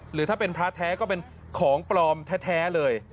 หรือถ้าเป็นพระแท้ก็เป็นของปลอมแท้เลย